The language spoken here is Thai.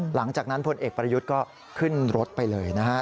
หลังจากนั้นพลเอกประยุทธ์ก็ขึ้นรถไปเลยนะฮะ